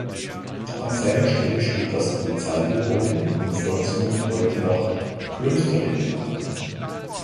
An seiner Stelle steht das Polizeigebäude, im Volksmund heute noch "Klösterle" genannt.